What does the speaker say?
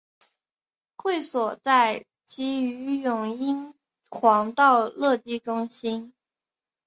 会所在鲗鱼涌英皇道乐基中心。